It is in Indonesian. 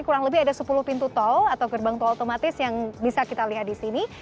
kurang lebih ada sepuluh pintu tol atau gerbang tol otomatis yang bisa kita lihat di sini